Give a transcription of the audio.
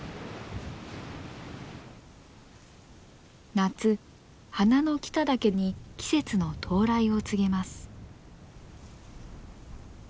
夏「花の北岳」に季節の到来を告げます。